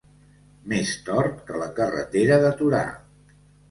Més tort que la carretera de Torà.